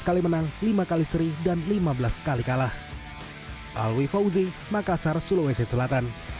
tiga belas kali menang lima kali seri dan lima belas kali kalah